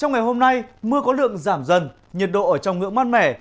trong ngày hôm nay mưa có lượng giảm dần nhiệt độ ở trong ngưỡng mát mẻ